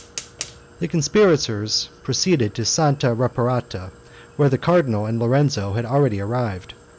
The conspirators proceeded to Santa Reparata, where the cardinal and Lorenzo had already arrived.